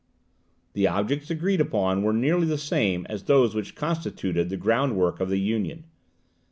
The objects agreed upon were nearly the same as those which constituted the groundwork of the Union.